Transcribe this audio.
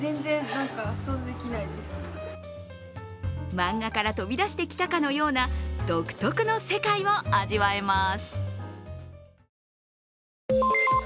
漫画から飛び出してきたかのような独得の世界を味わえます。